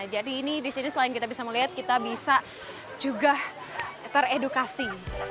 jadi ini di sini selain kita bisa melihat kita bisa juga teredukasi